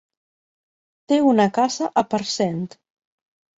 Té una casa a Parcent.